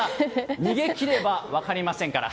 逃げ切れば分かりませんから。